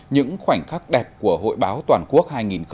những khoảnh khắc đẹp của hội báo toàn quốc hai nghìn hai mươi